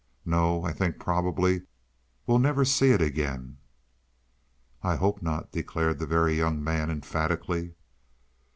No, I think probably we'll never see it again." "I hope not," declared the Very Young Man emphatically.